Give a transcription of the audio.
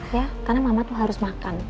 ya karena mama tuh harus makan